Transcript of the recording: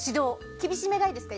厳しめがいいですか？